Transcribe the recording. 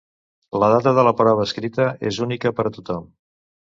La data de la prova escrita és única per a tothom.